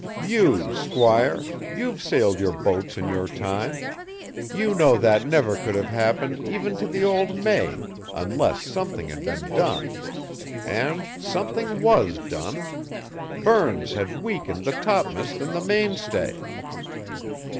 "You, squire, you've sailed your boats in your time! You know that never could have happened even to the old May unless something had been done. And something was done! Burns had weakened the topm'st and the mainstay!"